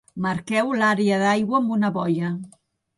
Marqueu l'àrea d'aigua amb una boia.